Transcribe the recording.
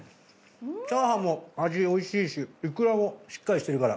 チャーハンも味おいしいしイクラもしっかりしてるから。